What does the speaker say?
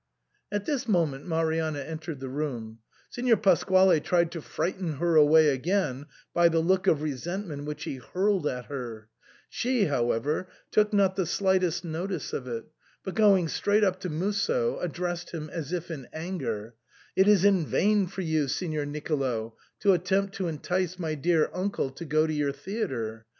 At this moment Marianna entered the room. Signor Pasquale tried to frighten her away again by the look of resentment which he hurled at her ; she, however, took not the slightest notice of it, but going straight up to Musso, addressed him as if in anger, —" It is in vain for you, Signor Nicolo, to attempt to entice my dear uncle to go to your theatre.